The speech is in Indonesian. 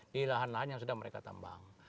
di lahan lahan yang sudah mereka tambang